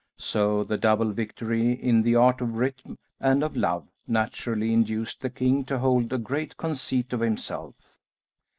So the double victory in the art of rhythm and of love naturally induced the king to hold a great conceit of himself.